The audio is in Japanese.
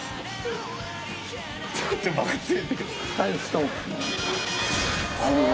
ちょっと待って。